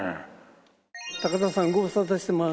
高田さんご無沙汰してます。